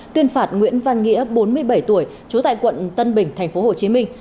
tuyên phạt nguyễn văn nghĩa bốn mươi bảy tuổi trú tại quận tân bình thành phố hồ chí minh